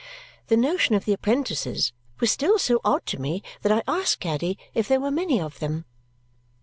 The notion of the apprentices was still so odd to me that I asked Caddy if there were many of them.